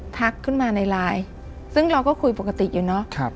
ทักขึ้นมาในไลน์ซึ่งเราก็คุยปกติอยู่เนาะ